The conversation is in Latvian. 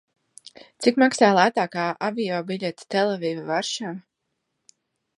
Cik maksā lētākā aviobiļete Telaviva - Varšava?